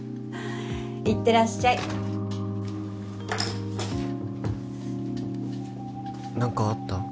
いってらっしゃい何かあった？